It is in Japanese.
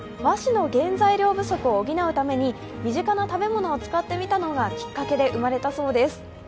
和紙の原材料不足を補うために身近な食べ物を使ってみたのがきっかけで生まれたそうです。